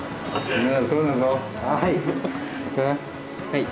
はい。